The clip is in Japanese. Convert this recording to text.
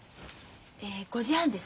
え５時半です。